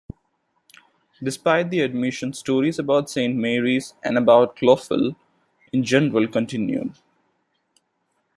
Despite the admission, stories about Saint Mary's, and about Clophill in general, continued.